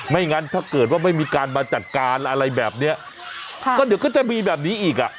งั้นถ้าเกิดว่าไม่มีการมาจัดการอะไรแบบเนี้ยค่ะก็เดี๋ยวก็จะมีแบบนี้อีกอ่ะ